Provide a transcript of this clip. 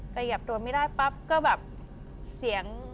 ขยับตัวไม่ได้ปั๊บก็แบบเสียง